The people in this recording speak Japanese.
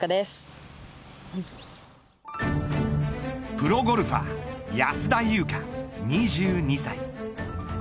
プロゴルファー安田祐香、２２歳。